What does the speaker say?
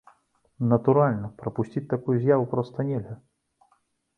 Натуральна, прапусціць такую з'яву проста нельга!